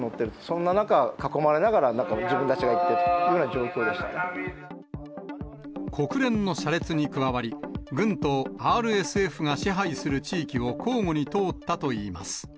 そんな中、囲まれながら、自分たちが行ってるっていうよう国連の車列に加わり、軍とＲＳＦが支配する地域を交互に通ったといいます。